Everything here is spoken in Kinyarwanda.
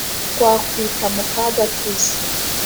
twa kwita mu kaga k'isi,